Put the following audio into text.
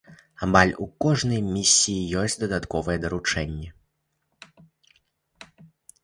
Амаль у кожнай місіі ёсць дадатковыя даручэнні.